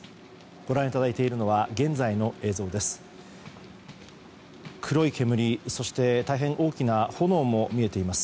ご覧いただいているのは現在の映像です。